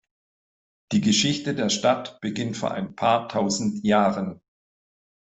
Die Geschichte der Stadt beginnt vor ein paar tausend Jahren.